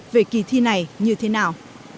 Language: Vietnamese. về kỳ thi này như thế nào